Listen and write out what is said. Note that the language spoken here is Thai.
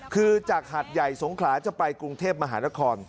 คือจากหาดใหญ่สงขลาจะไปกรุงเทพมหานคร